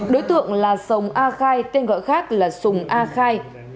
đối tượng là sồng a khai tên gọi khác là sùng a khai